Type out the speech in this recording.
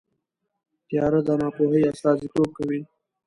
تیاره د ناپوهۍ استازیتوب کوي.